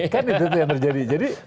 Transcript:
kan itu yang terjadi